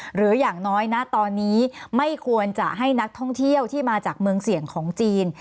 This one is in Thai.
หรืออย่างน้อยนะตอนนี้ไม่ควรจะให้นักท่องเที่ยวที่มาจากเมืองเสี่ยงของจีน